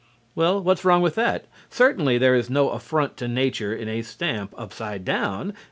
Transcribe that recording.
Well, what's wrong with that? Certainly there is no affront to nature in a stamp upside down.